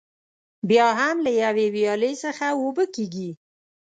بیا هم له یوې ویالې څخه اوبه کېږي.